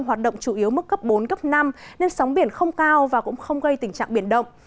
hoạt động chủ yếu mức cấp bốn cấp năm nên sóng biển không cao và cũng không gây tình trạng biển động